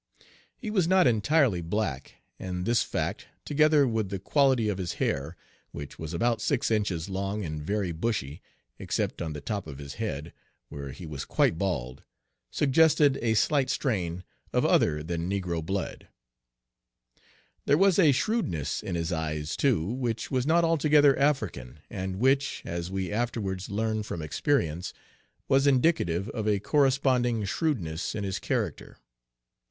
He was not entirely black, and this fact, together with the quality of his hair, which was about six inches long and very bushy, except on the top of his head, where he was quite bald, suggested a slight strain of other than Page 10 negro blood. There was a shrewdness in his eyes, too, which was not altogether African, and which, as we afterwards learned from experience was indicative of a corresponding shrewdness in his character.